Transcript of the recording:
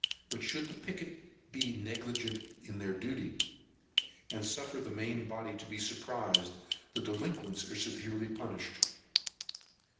But should the piquet be negligent in their duty, and suffer the main body to be surprised, the delinquents are severely punished.